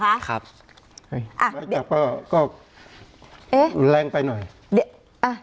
หมายจับก็แรงไปหน่อย